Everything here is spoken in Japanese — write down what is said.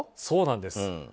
そうなんです。